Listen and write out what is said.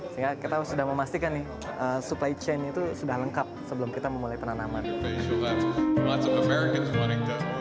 sehingga kita sudah memastikan nih supply chain itu sudah lengkap sebelum kita memulai penanaman